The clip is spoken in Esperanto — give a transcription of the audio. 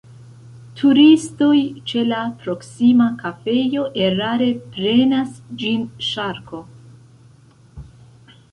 Turistoj ĉe la proksima kafejo erare prenas ĝin ŝarko.